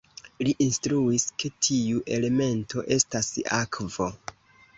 Li instruis, ke tiu elemento estas akvo.